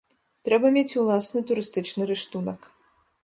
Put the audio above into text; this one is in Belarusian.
Трэба мець уласны турыстычны рыштунак.